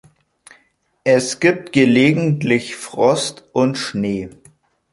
Es gibt gelegentlich Frost und Schnee.